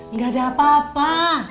nggak ada apa apa